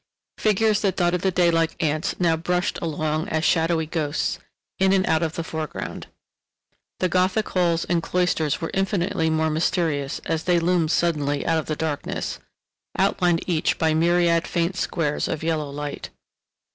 Figures that dotted the day like ants now brushed along as shadowy ghosts, in and out of the foreground. The Gothic halls and cloisters were infinitely more mysterious as they loomed suddenly out of the darkness, outlined each by myriad faint squares of yellow light.